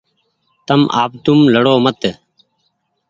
آپ توم لڙو مت